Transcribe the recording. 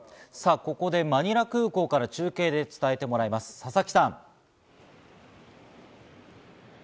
ここで、マニラ空港から中継で伝えてもらいます、佐々木さん。